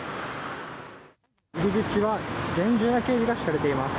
入り口は厳重な警備が敷かれています。